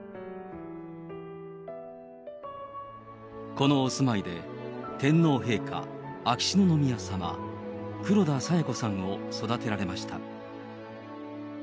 このお住まいで天皇陛下、秋篠宮さま、黒田清子さんを育てられました。